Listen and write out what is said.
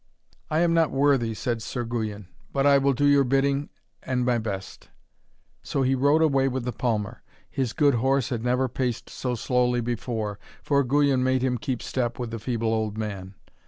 'I am not worthy,' said Sir Guyon, 'but I will do your bidding and my best.' So he rode away with the palmer. His good horse had never paced so slowly before, for Guyon made him keep step with the feeble old man.